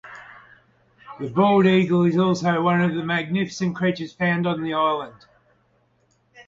The bald eagle is also one of the magnificent creatures found on the island.